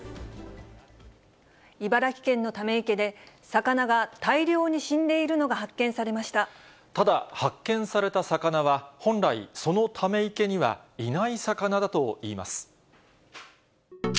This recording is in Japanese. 茨城県のため池で、魚が大量ただ、発見された魚は、本来、そのため池にはいない魚だといいます。